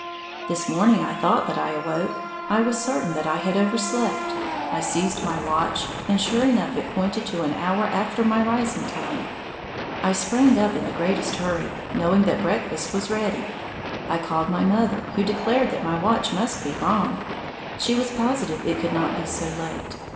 This morning I thought that I awoke. I was certain that I had overslept. I seized my watch, and sure enough, it pointed to an hour after my rising time. I sprang up in the greatest hurry, knowing that breakfast was ready. I called my mother, who declared that my watch must be wrong. She was positive it could not be so late.